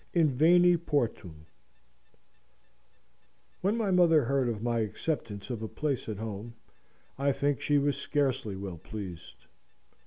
Inveni Portum When my mother heard of my acceptance of a place at home, I think she was scarcely well pleased.